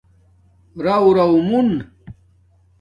رݸرݸ مُون